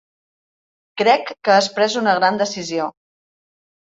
Crec que has pres una gran decisió.